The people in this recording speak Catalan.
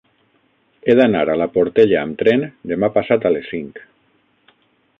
He d'anar a la Portella amb tren demà passat a les cinc.